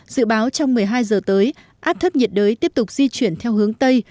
dự báo trong một mươi hai giờ tới áp thấp nhiệt đới tiếp tục di chuyển theo hướng tây